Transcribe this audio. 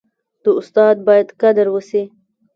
د استاد باید قدر وسي.